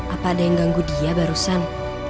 apa ada yang ganggu dia barusan